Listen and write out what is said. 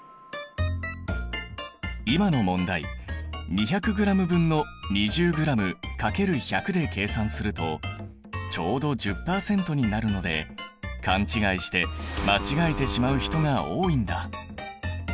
今の問題２００ｇ分の２０ｇ×１００で計算するとちょうど１０％になるので勘違いして間違えてしまう人が多いんだ。